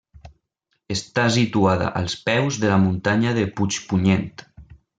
Està situada als peus de la muntanya de Puigpunyent.